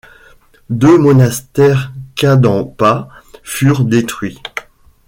Deux monastères Kadampa furent détruits.